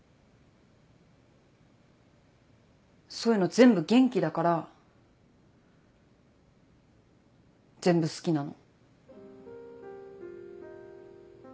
そういうの全部元気だから全部好きなの。